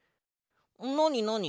なになに？